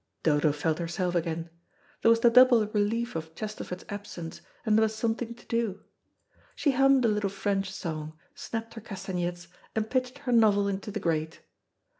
Dodo felt herself again. There was the double relief of Chesterford's absence, and there was something to do. She hummed a little French song, snapped her castanets, and pitched her novel into the grate.